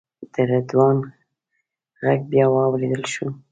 د رضوان غږ بیا واورېدل شو.